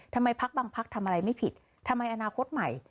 พักบางพักทำอะไรไม่ผิดทำไมอนาคตใหม่